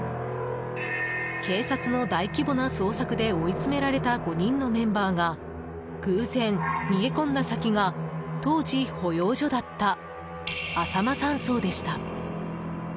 警察の大規模な捜索で追い詰められた５人のメンバーが偶然逃げ込んだ先が当時、保養所だったあさま山荘でした。